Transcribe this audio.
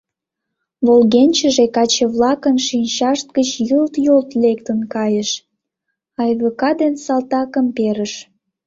Волгенчыже каче-влакын шинчашт гыч йылт-йолт лектын кайыш, Айвика ден салтакым перыш.